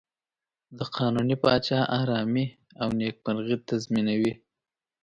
د قانوني پاچا آرامي او نېکمرغي تضمینوي.